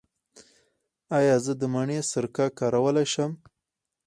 ایا زه د مڼې سرکه کارولی شم؟